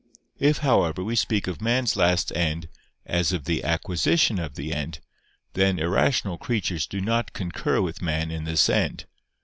If, however, we speak of man's last end, as of the acquisition of the end, then irrational creatures do not concur with man in this end.